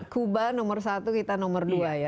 kuba nomor satu kita nomor dua ya